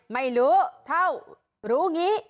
ไม่รู้รู้เงี้ย